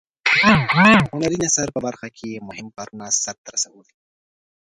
هنري نثر په برخه کې یې مهم کارونه سرته رسولي.